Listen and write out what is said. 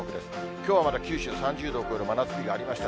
きょうはまだ九州３０度を超える真夏日がありました。